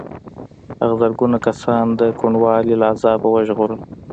هغه زرګونه کسان د کوڼوالي له عذابه وژغورل.